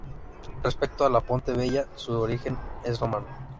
Respecto a A Ponte Vella, su origen es romano.